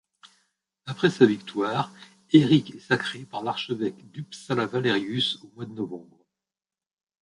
Après sa victoire, Erik est sacré par l'archevêque d'Uppsala Valerius au mois de novembre.